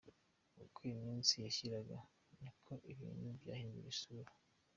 Uko iminsi yashiraga, ni ko ibintu byahindura isura.